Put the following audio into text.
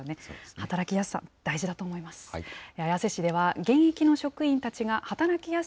働きやすさ、大事だと思います。